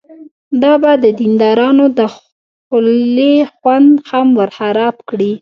دا به د دیندارانو د خولې خوند هم ورخراب کړي.